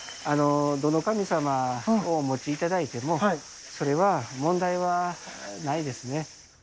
どの神様をお持ちいただいてもそれは問題はないですね。